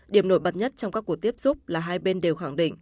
điểm nổi bật nhất trong các cuộc tiếp xúc là hai bên đều khẳng định